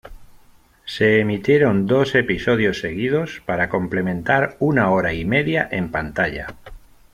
Se emitieron dos episodios seguidos para complementar una hora y media en pantalla.